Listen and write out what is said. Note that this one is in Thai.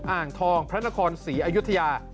อ่างทองพระนครศรีอยุธยา